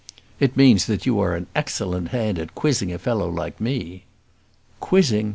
"It means that you are an excellent hand at quizzing a fellow like me." "Quizzing!